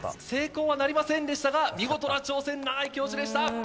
成功はなりませんでしたが見事な挑戦永井教授でした。